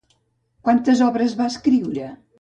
Quantes obres va escriure?